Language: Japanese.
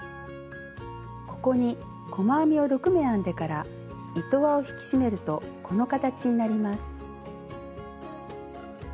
ここに細編みを６目編んでから糸輪を引き締めるとこの形になります。